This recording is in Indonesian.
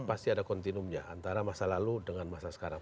pasti ada kontinumnya antara masa lalu dengan masa sekarang